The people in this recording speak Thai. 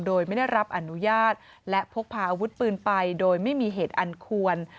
โดยไม่ได้รับอนุญาตและพกพาอาวุธปืนไปโดยไม่มีเหตุอันควร